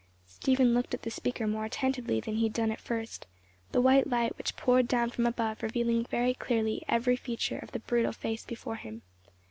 Stephen looked at the speaker more attentively than he had done at first; the white light which poured down from above revealing clearly every feature of the brutal face before him.